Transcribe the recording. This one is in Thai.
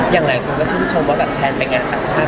อย่างหลายคนก็ช่วยชมว่าแทนแปดงานต่างชาติ